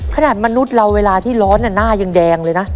มนุษย์เราเวลาที่ร้อนหน้ายังแดงเลยนะ